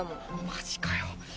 マジかよ！